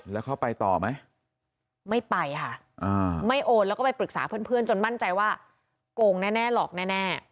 แล้วเขาไปต่อไหมไม่ไปค่ะไม่โอนแล้วก็ไปปรึกษาเพื่อนจนมั่นใจว่าโกงแน่หลอกแน่